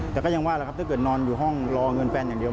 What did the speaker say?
แต่ก็ยังว่าแหละครับถ้าเกิดนอนอยู่ห้องรอเงินแฟนอย่างเดียว